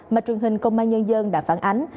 mà truyền hình công an nhân dân đã phản ánh